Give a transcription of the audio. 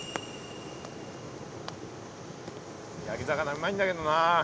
焼き魚うまいんだけどな。